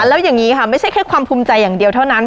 แล้วอย่างนี้ค่ะไม่ใช่แค่ความภูมิใจอย่างเดียวเท่านั้น